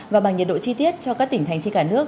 và bằng nhiệt độ chi tiết cho các tỉnh thành trên cả nước